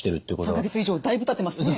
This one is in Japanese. ３か月以上だいぶたってますね。